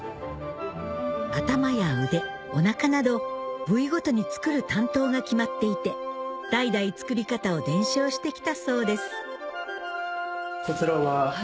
頭や腕おなかなど部位ごとに作る担当が決まっていて代々作り方を伝承してきたそうです